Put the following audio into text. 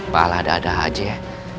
bala dada aja ya